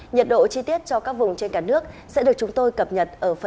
nhiệt độ chi tiết cho các vùng trên cả nước sẽ được chúng tôi cập nhật